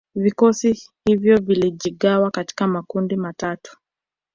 Vikosi hivyo vilijigawa katika makundi matatu